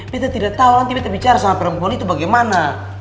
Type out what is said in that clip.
kita tidak tahu nanti kita bicara sama perempuan itu bagaimana